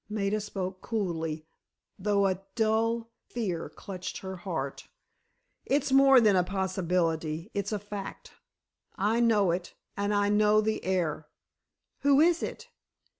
Maida spoke coolly, though a dull fear clutched her heart. "It's more than a possibility, it's a fact. I know it—and I know the heir." "Who is it?"